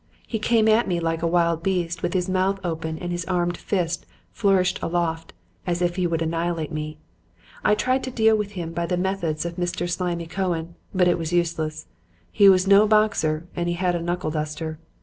He came at me like a wild beast, with his mouth open and his armed fist flourished aloft as if he would annihilate me. I tried to deal with him by the methods of Mr. Slimy Cohen, but it was useless. He was no boxer and he had a knuckle duster.